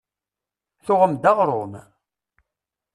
Tuɣem-d aɣrum?